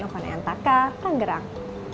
yovane antaka ranggerang